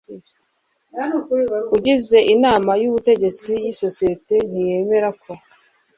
Ugize Inama y Ubutegetsi y isosiyete ntiyemera ko